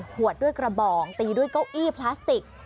ขวดด้วยกระบองตีด้วยเก้าอี้พลาสติก